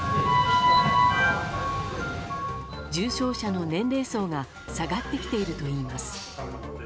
重症者の年齢層が下がってきているといいます。